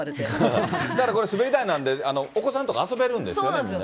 だからこれ、滑り台なんで、お子さんとか遊べるんですよね。